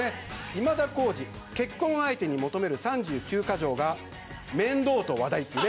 今田耕司結婚を相手に求める３９か条が面倒と話題。